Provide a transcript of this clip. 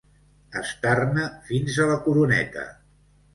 Estar-ne fins a la coroneta.